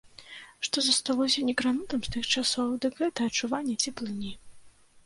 Што засталося некранутым з тых часоў, дык гэта адчуванне цеплыні.